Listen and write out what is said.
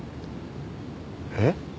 えっ？